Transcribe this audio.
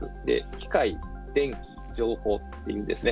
機械、電気、情報っていうですね